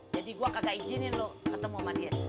jadi gue kagak izinin lo ketemu sama dia